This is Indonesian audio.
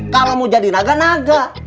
kalau mau jadi naga naga